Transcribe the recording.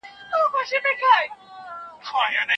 ته کولای شې چې په دې سیند کې لامبو ووهې.